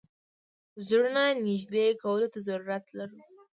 زړونو نېږدې کولو ته ضرورت لرو.